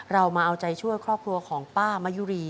เรามาเอาใจช่วยครอบครัวของป้ามะยุรี